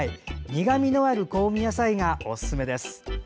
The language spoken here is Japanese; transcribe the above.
苦みのある香味野菜がおすすめです。